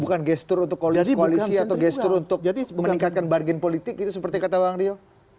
bukan gestur untuk koalisi atau gestur untuk meningkatkan bargain politik itu seperti kata bang rio